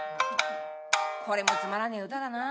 「これもつまらねえ唄だなあ。